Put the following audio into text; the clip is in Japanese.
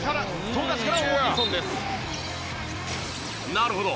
なるほど！